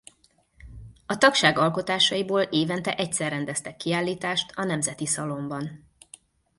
A tagság alkotásaiból évente egyszer rendeztek kiállítást a Nemzeti Szalonban.